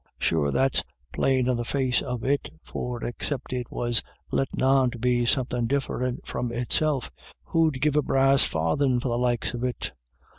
Sure that's plain on the face of it, for excipt it was lettin' on to be somethin' diff'rint from itself, who'd give a brass farthin' for the likes of it